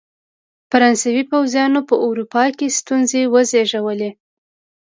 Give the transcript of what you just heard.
فرانسوي پوځیانو په اروپا کې ستونزې وزېږولې.